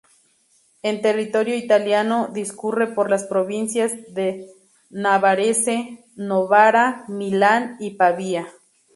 En territorio italiano, discurre por las provincias de Varese, Novara, Milán y Pavía.